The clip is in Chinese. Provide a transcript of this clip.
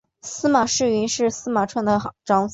司马世云是司马纂的长子。